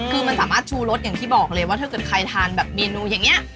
คือมันสามารถชูรสอย่างที่บอกเลยว่าถ้าเกิดใครทานแบบเมนูอย่างนี้